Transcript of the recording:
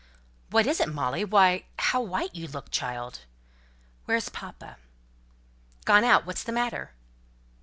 "What is it, Molly? Why, how white you look, child!" "Where's papa?" "Gone out. What's the matter?"